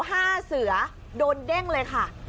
ห้าเสือโดนเด้งเลยค่ะ